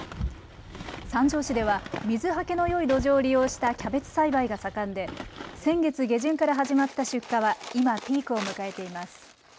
三条市では水はけのよい土壌を利用したキャベツ栽培が盛んで先月下旬から始まった出荷は今、ピークを迎えています。